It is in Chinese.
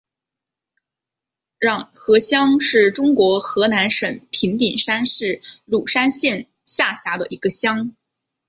瀼河乡是中国河南省平顶山市鲁山县下辖的一个乡。